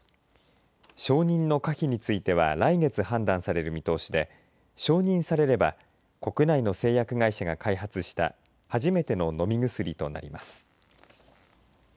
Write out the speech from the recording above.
承認の可否については来月、判断される見通しで承認されれば国内の製薬会社が開発した初めての飲み薬となります。